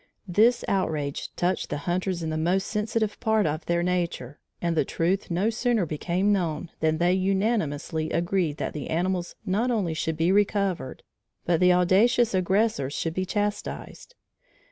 This outrage touched the hunters in the most sensitive part of their nature, and the truth no sooner became known than they unanimously agreed that the animals not only should be recovered but the audacious aggressors should be chastised.